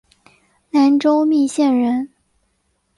南州密县人。